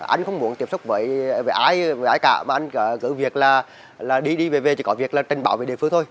anh không muốn tiếp xúc với ai cả mà anh cứ việc là đi đi về về chỉ có việc là trình bảo về địa phương thôi